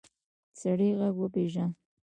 سړی غږ وپېژاند.